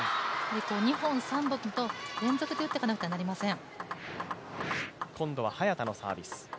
２本、３本と連続で打っていかなくてはなりません。